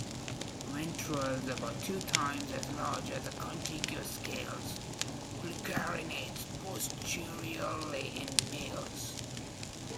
Ventrals about two times as large as the contiguous scales, pluricarinate posteriorly in males.